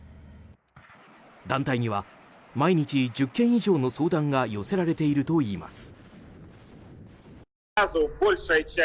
団体には毎日１０件以上の相談が寄せられているといいます。